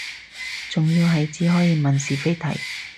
仲要係只可以問是非題